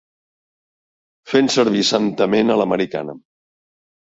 Fent servir santament a l'americana.